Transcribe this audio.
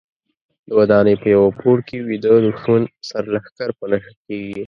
د ودانۍ په یوه پوړ کې ویده دوښمن سرلښکر په نښه کېږي.